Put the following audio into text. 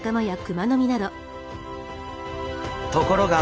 ところが！